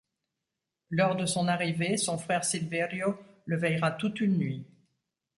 Lors de son arrivée, son frère Silverio le veillera toute une nuit.